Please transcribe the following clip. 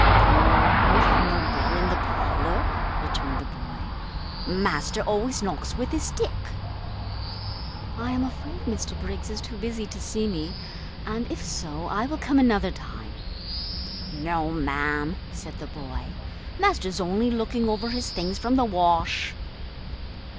"O, we have no bell in the parlour," returned the boy, "master always knocks with his stick." "I am afraid Mr Briggs is too busy to see me, and if so, I will come another time." "No, ma'am," said the boy, "master's only looking over his things from the wash."